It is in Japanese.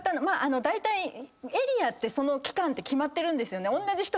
だいたいエリアってその期間って決まってるんですよね。